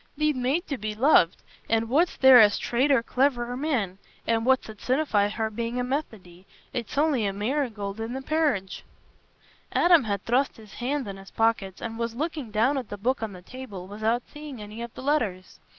Thee't made to be loved—for where's there a straighter cliverer man? An' what's it sinnify her bein' a Methody? It's on'y the marigold i' th' parridge." Adam had thrust his hands in his pockets, and was looking down at the book on the table, without seeing any of the letters.